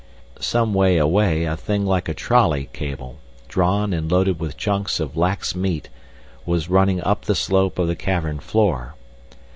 Some way away a thing like a trolley cable, drawn and loaded with chunks of lax meat, was running up the slope of the cavern floor.